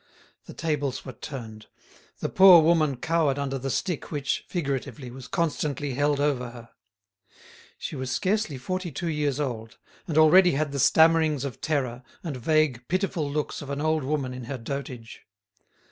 The tables were turned. The poor woman cowered under the stick which, figuratively, was constantly held over her. She was scarcely forty two years old, and already had the stammerings of terror, and vague, pitiful looks of an old woman in her dotage.